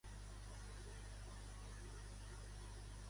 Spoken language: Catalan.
Qui són els pelasgs?